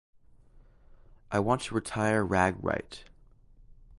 I want to retire rag right.